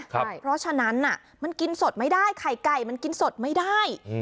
เพราะฉะนั้นมันกินสดไม่ได้ไข่ไก่มันกินสดไม่ได้